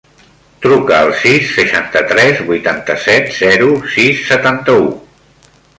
Truca al sis, seixanta-tres, vuitanta-set, zero, sis, setanta-u.